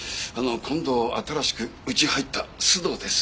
今度新しくうち入った須藤です。